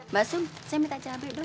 mbak sum saya minta cabai dulu